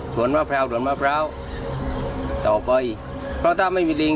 ส่วนมะพร้าวสวนมะพร้าวต่อไปเพราะถ้าไม่มีลิง